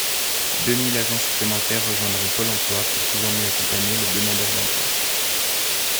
Deux mille agents supplémentaires rejoindront Pôle emploi pour toujours mieux accompagner les demandeurs d’emploi.